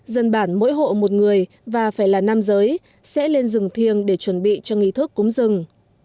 dân bản mỗi hộ một người và phải là nam giới sẽ lên rừng thiêng để chuẩn bị cho nghi thức cúng rừng